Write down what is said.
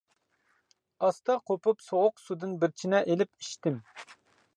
ئاستا قوپۇپ سوغۇق سۇدىن بىر چىنە ئېلىپ ئىچتىم.